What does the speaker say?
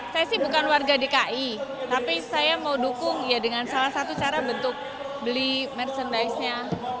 saya sih bukan warga dki tapi saya mau dukung ya dengan salah satu cara bentuk beli merchandise nya